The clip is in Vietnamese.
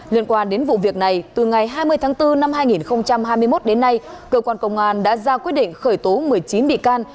liên quan đến vụ việc này từ ngày hai mươi tháng bốn năm hai nghìn hai mươi một đến nay cơ quan công an đã ra quyết định khởi tố một mươi chín bị can